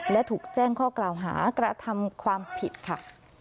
และถูกแจ้งข้อกล่าวหากระทำความผิดค่ะ